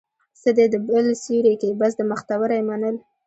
څه دي د بل سيوري کې، بس د مختورۍ منل